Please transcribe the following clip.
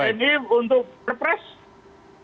tni untuk repress